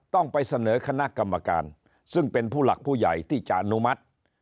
ต้องไปเสนอคณะกรรมการซึ่งเป็นผู้หลักผู้ใหญ่ที่จะอนุมัติ